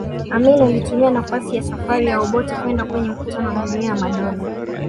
Amin alitumia nafasi ya safari ya Obote kwenda kwenye mkutano wa Jumuiya ya Madola